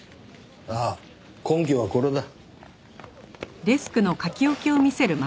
ああ根拠はこれだ。